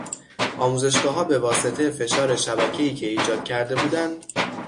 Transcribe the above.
آموزشگاهها به واسطه فشار شبکهای که ایجاد کرده بودند